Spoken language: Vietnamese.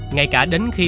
ngay cả đến khi